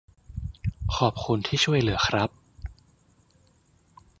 ขอบคุณที่ช่วยเหลือครับ